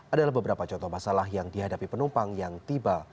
adalah beberapa contoh masalah yang dihadapi penumpang yang tiba